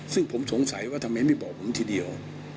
ซึ่งผมสงสัยว่าทำไมไม่บอกผมทีเดียว